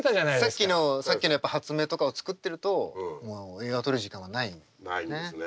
さっきのさっきのやっぱ発明とかを作ってるともう映画を撮る時間はないんですね。